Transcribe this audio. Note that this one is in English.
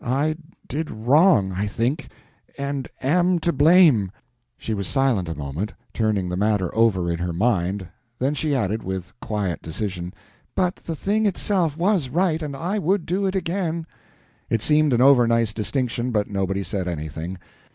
I did wrong, I think, and am to blame." She was silent a moment, turning the matter over in her mind, then she added, with quiet decision, "But the thing itself was right, and I would do it again." It seemed an over nice distinction, but nobody said anything.